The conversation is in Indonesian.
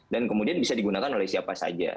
dan kemudian bisa digunakan oleh siapa saja